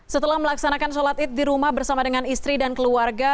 setelah melaksanakan sholat id di rumah bersama dengan istri dan keluarga